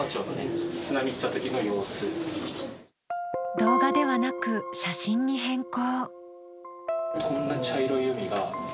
動画ではなく、写真に変更。